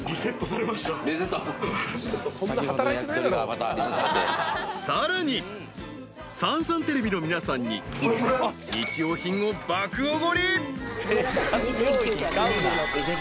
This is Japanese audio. ［さんさんテレビの皆さんに日用品を爆おごり］